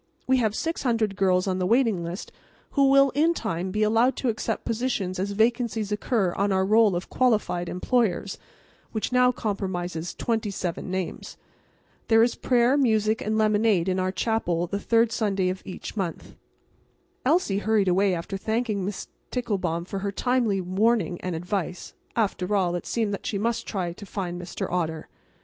We have 600 girls on the waiting list who will in time be allowed to accept positions as vacancies occur on our roll of Qualified Employers, which now comprises twenty seven names. There is prayer, music and lemonade in our chapel the third Sunday of every month." Elsie hurried away after thanking Miss Ticklebaum for her timely warning and advice. After all, it seemed that she must try to find Mr. Otter.